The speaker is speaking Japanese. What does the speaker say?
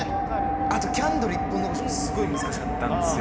あとキャンドル１本残しもすごい難しかったんですよ。